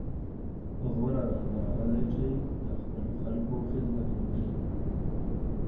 غوره رهبر هغه دی چې د خپلو خلکو خدمت وکړي.